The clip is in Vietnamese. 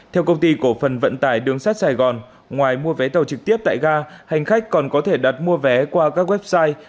theo công ty cổ phần vận tải đường sắt sài gòn ngoài mua vé tàu trực tiếp tại ga hành khách còn có thể đặt mua vé qua các website